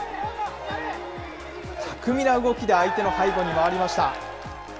巧みな動きで相手の背後に回りました。